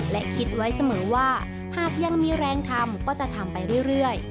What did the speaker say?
และคิดไว้เสมอว่าหากยังมีแรงทำก็จะทำไปเรื่อย